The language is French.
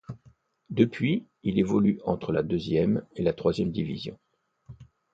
Depuis, il évolue entre la deuxième et la troisième division.